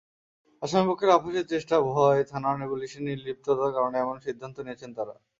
আসামিপক্ষের আপসের চেষ্টা, ভয়, থানা-পুলিশের নির্লিপ্ততার কারণে এমন সিদ্ধান্ত নিয়েছেন তাঁরা।